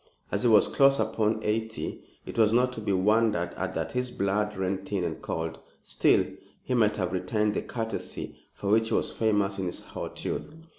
As he was close upon eighty, it was not to be wondered at that his blood ran thin and cold; still, he might have retained the courtesy for which he was famous in his hot youth.